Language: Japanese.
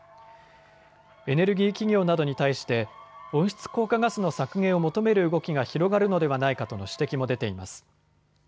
エネルギー企業などに対して温室効果ガスの削減を求める動きが広がるのではないかとの指摘も出ています。